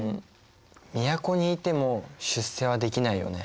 都にいても出世はできないよね。